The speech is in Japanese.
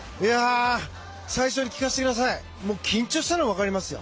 最初に聞かせてください緊張したのは分かりますよ。